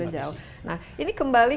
jauh nah ini kembali